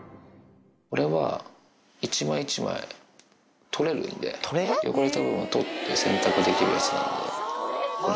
これは一枚一枚取れるんで、汚れた部分を取って洗濯できるやつなんで。